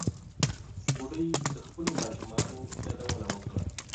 بوډۍ د خپلو ماشومانو یادونه وکړه.